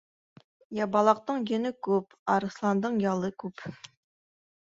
Ябалаҡтың йөнө күп, арыҫландың ялы күп.